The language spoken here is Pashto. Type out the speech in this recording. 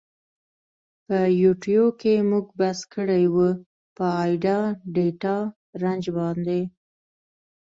په یوټیو کی مونږ بحث کړی وه په آپډا ډیټا رنج باندی.